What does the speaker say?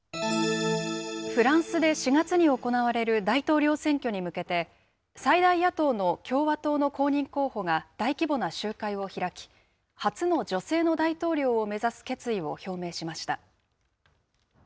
フランスで４月に行われる大統領選挙に向けて、最大野党の共和党の公認候補が大規模な集会を開き、初の女性の大統領を目指す決意を表明しました。